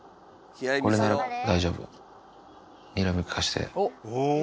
これなら大丈夫にらみ利かして。